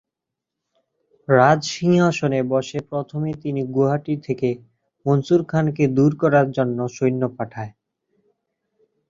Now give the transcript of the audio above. রাজসিংহাসনে বসে প্রথমে তিনি গুয়াহাটি থেকে মনসুর খানকে দূর করার জন্য সৈন্য পাঠায়।